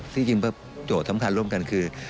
ที่จริงโจทย์สำคัญร่วมกันคือ